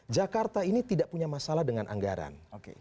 jakarta ini tidak punya masalah dengan anggaran